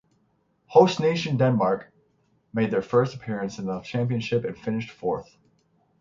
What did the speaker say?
Host nation Denmark made their first appearance in the championship and finished fourth.